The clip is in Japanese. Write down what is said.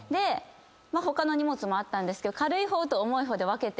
他の荷物もあったんですけど軽い方と重い方で分けてて。